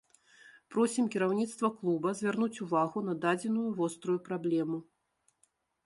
Просім кіраўніцтва клуба звярнуць увагу на дадзеную вострую праблему.